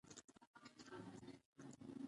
موټر ته ډرېور پکار وي.